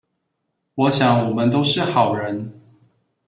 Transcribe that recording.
我想我們都是好人